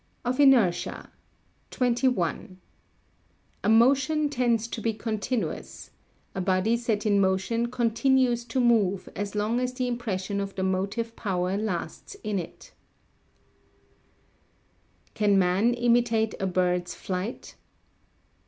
[Sidenote: Of Inertia] 21. A motion tends to be continuous; a body set in motion continues to move as long as the impression of the motive power lasts in it. [Sidenote: Can Man imitate a Bird's Flight?